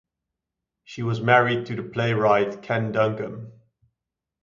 She was married to the playwright Ken Duncum.